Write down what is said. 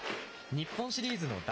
日本シリーズの第１戦。